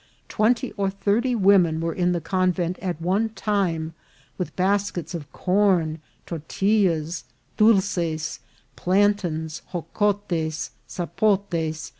Twenty or thirty women were in the convent at one time, with baskets of corn, tortillas, dolces, plantains, hocotes, sapotes.